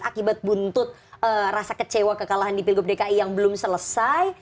akibat buntut rasa kecewa kekalahan di pilgub dki yang belum selesai